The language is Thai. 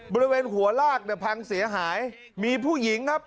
บริเวณหัวลากเนี่ยพังเสียหายมีผู้หญิงครับ